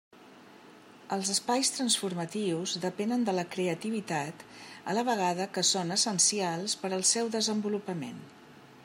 Els espais transformatius depenen de la creativitat a la vegada que són essencials per al seu desenvolupament.